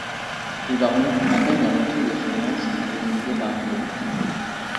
Désormais, à peine la moitié des chômeurs sont indemnisés par l'Unédic.